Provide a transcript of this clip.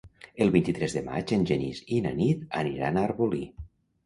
El vint-i-tres de maig en Genís i na Nit aniran a Arbolí.